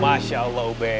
masya allah ub